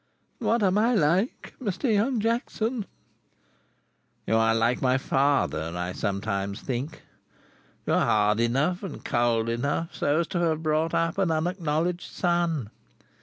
"What am I like, Mr. Young Jackson?" "You are like my father, I sometimes think. You are hard enough and cold enough so to have brought up an unacknowledged son.